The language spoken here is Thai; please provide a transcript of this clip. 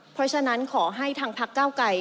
เพราะฉะนั้นขอให้ทางพักเก้าไกร